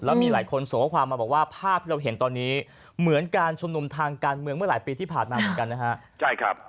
แล้วมีหลายคนส่งข้อความมาบอกว่าภาพที่เราเห็นตอนนี้เหมือนการชุมนุมทางการเมืองเมื่อหลายปีที่ผ่านมาเหมือนกันนะฮะ